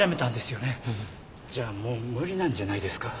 じゃあもう無理なんじゃないですか？